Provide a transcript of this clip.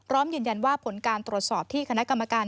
พร้อมยืนยันว่าผลการตรวจสอบที่คณะกรรมการ